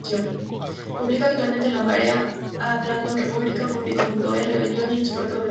Publica habitualmente en La Marea, Hablando República, Público.es, Rebelión y en su propio blog.